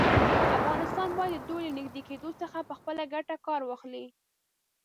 افغانستان باید د دوی له نږدې کېدو څخه په خپله ګټه کار واخلي.